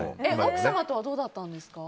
奥様とはどうだったんですか？